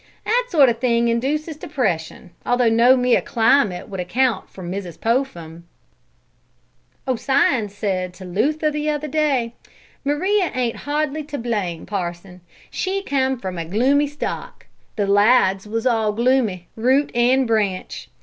That sort of thing induces depression, although no mere climate would account for Mrs. Popham. Ossian said to Luther the other day: 'Maria ain't hardly to blame, parson. She come from a gloomy stock. The Ladds was all gloomy, root and branch.